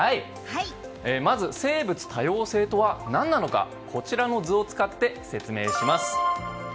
まず、生物多様性とは何なのかこちらの図を使って説明します。